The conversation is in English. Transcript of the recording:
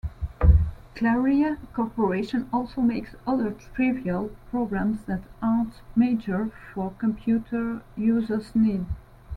Claria Corporation also makes other trivial programs that aren't major for computer users' needs.